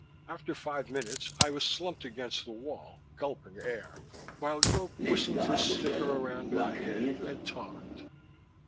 After five minutes I was slumped against the wall, gulping air, while Gope whistled his sticker around my head and talked.